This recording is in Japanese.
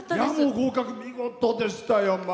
合格、見事でしたよ。